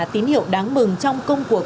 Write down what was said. tín hiệu đáng mừng trong công cuộc